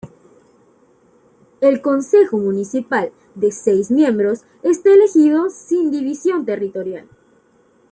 El consejo municipal de seis miembros está elegido sin división territorial.